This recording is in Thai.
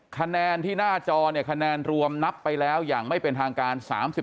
คะแนนที่หน้าจอเนี่ยคะแนนรวมนับไปแล้วอย่างไม่เป็นทางการ๓๔